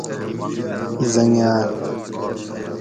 حٔنگاۤل